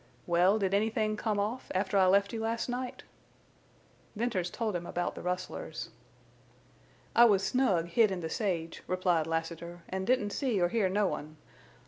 "Well, did anythin' come off after I left you last night?" Venters told him about the rustlers. "I was snug hid in the sage," replied Lassiter, "an' didn't see or hear no one.